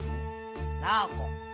ナオコ。